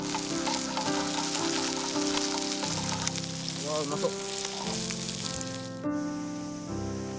うわうまそう。